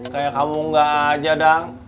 kayak kamu enggak aja dang